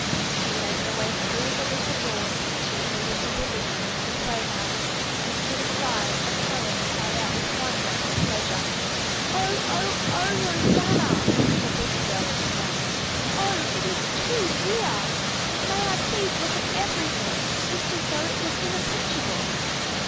She led the way through the little door into the little living room of the playhouse and stood aside as Helen cried out with wonder and pleasure. "Oh, oh, oh, Rosanna!" the little girl exclaimed. "Oh, it is too dear! May I please look at everything, just as though it was in a picture book?"